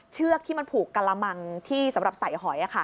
เชือกที่มันผูกกระมังที่สำหรับใส่หอย